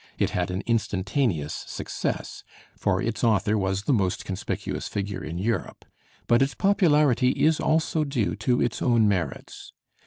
It had an instantaneous success, for its author was the most conspicuous figure in Europe, but its popularity is also due to its own merits.